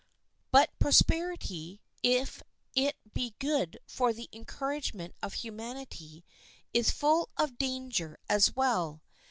But prosperity, if it be good for the encouragement of humanity, is full of danger as well.